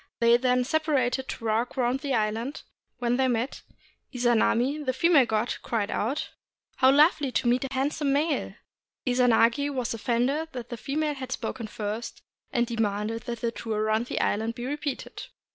They then separated to walk round the island ; when they met, Izanami, the female god, cried out, — "How lovely to meet a handsome male!" Izanagi was offended that the female had spoken first, and demanded that the tour round the island be repeated.